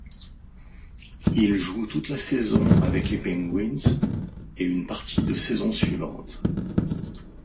Il joue toute la saison avec les Penguins et une partie de saison suivante.